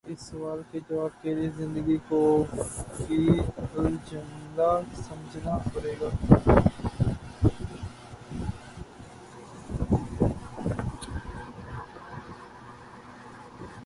اس سوال کے جواب کے لیے زندگی کو فی الجملہ سمجھنا پڑے گا۔